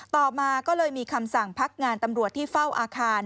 ต่อมาก็เลยมีคำสั่งพักงานตำรวจที่เฝ้าอาคาร